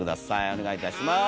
お願いいたします。